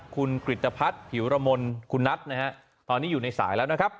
คุณกริตภัทรผิวรมนคุณนัทนะฮะตอนนี้อยู่ในสายแล้วนะครับ